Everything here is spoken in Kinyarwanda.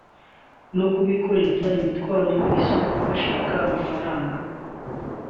no kubikoreza imitwaro mu isoko (Bashaka amafaranga)